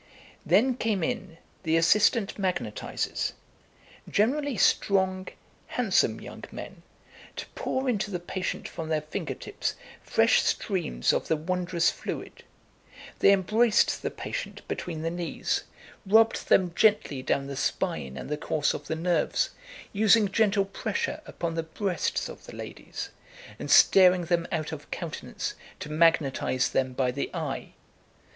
Then came in the assistant magnetisers, generally strong, handsome young men, to pour into the patient from their finger tips fresh streams of the wondrous fluid. They embraced the patient between the knees, rubbed them gently down the spine and the course of the nerves, using gentle pressure upon the breasts of the ladies, and staring them out of countenance to magnetise them by the eye!